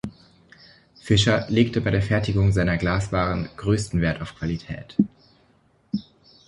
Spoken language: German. Fischer legte bei der Fertigung seiner Glaswaren größten Wert auf Qualität.